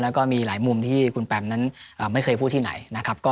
แล้วก็มีหลายมุมที่คุณแปมนั้นไม่เคยพูดที่ไหนนะครับ